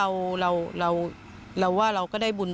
ไม่อยากให้มองแบบนั้นจบดราม่าสักทีได้ไหม